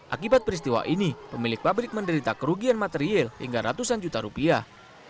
akibat peristiwa ini pemilik pabrik menderita kerugian material hingga ratusan juta rupiah